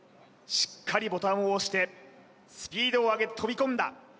しっかりボタンを押してスピードを上げとび込んだ